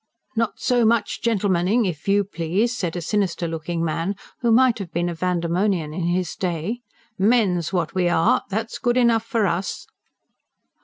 "Not so much gentlemening, if YOU please!" said a sinister looking man, who might have been a Vandemonian in his day. "MEN'S what we are that's good enough for us."